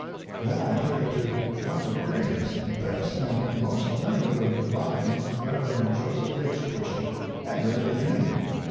"Then I took it to one of the greatest, best and most learned of Divines [Rev. Joseph H. Twichell] and read it to him.